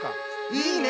いいね！